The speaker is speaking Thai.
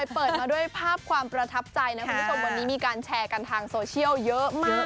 เปิดมาด้วยภาพความประทับใจนะคุณผู้ชมวันนี้มีการแชร์กันทางโซเชียลเยอะมาก